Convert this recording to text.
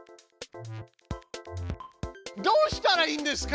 どうしたらいいんですか？